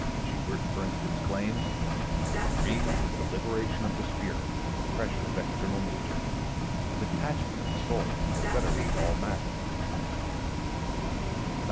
Schubert, for instance, claims: "The dream is the liberation of the spirit from the pressure of external nature, a detachment of the soul from the fetters of matter."